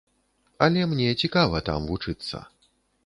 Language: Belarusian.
Але мне цікава там вучыцца.